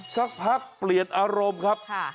สักพักเปลี่ยนอารมณ์ครับ